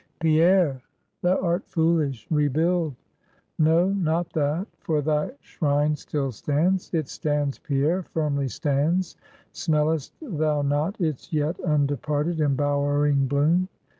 Pierre! thou art foolish; rebuild no, not that, for thy shrine still stands; it stands, Pierre, firmly stands; smellest thou not its yet undeparted, embowering bloom?